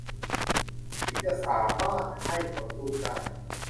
ถึงจะสามารถให้นมลูกได้